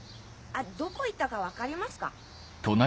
どこ行ったか分かりますか？